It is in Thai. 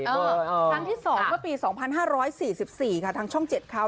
ครั้งที่๒ก็ปี๒๕๔๔ค่ะทางช่องเจ็ดเขา